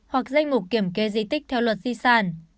hoặc danh mục kiểm kê di tích theo luật di sản